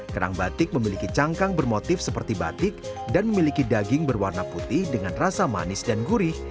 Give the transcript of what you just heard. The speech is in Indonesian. kerang batik memiliki cangkang bermotif seperti batik dan memiliki daging berwarna putih dengan rasa manis dan gurih